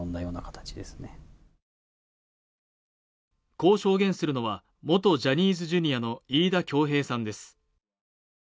こう証言するのは元ジャニーズＪｒ．の飯田恭平さんです